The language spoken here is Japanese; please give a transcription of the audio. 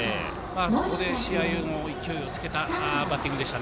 そこで試合の勢いをつけたバッティングでした。